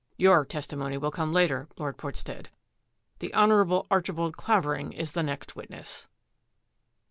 " Your testimony will come later, Lord Port stead. The Honourable Archibald Clavering is the next witness."